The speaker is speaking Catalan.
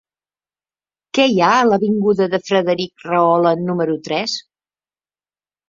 Què hi ha a l'avinguda de Frederic Rahola número tres?